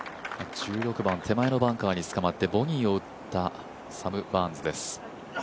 １６番、手前のバンカーに捕まってボギーを打ったサム・バーンズです